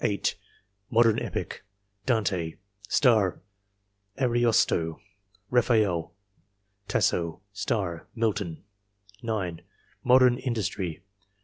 Modern epic .... DANTE, *Ariosto, Raphael, *Tasso, *Milton. 9. Modern industry .